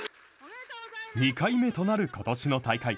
２回目となることしの大会。